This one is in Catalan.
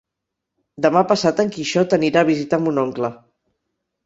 Demà passat en Quixot anirà a visitar mon oncle.